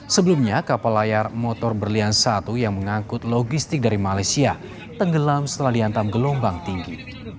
sebelumnya kapal layar motor berlian satu yang mengangkut logistik dari malaysia tenggelam setelah dihantam gelombang tinggi